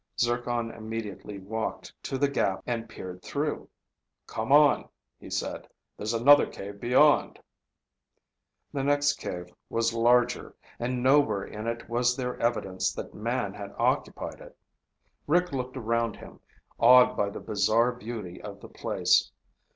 Zircon immediately walked to the gap and peered through. "Come on," he said. "There's another cave beyond." The next cave was larger, and nowhere in it was there evidence that man had occupied it. Rick looked around him, awed by the bizarre beauty of the place.